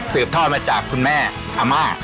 สืบทอดมาจากคุณแม่อำมา